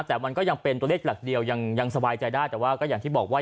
แต่มันก็ยังเป็นตัวเลขหลักเดียวยังสบายใจได้แต่ว่าก็อย่างที่บอกว่า